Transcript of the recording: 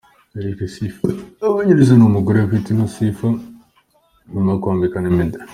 Enric Sifa abanye neza n'umugore we Whitney Sifa nyuma yo kwambikana impeta.